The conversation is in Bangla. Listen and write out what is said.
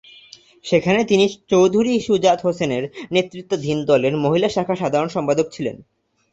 সেখানে তিনি চৌধুরী সুজাত হোসেনের নেতৃত্বাধীন দলের মহিলা শাখা সাধারণ সম্পাদক ছিলেন।